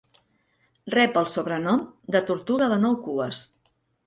Rep el sobrenom de "Tortuga de nou cues".